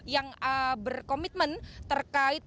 yang berkomitmen terkait persoalan kesehatan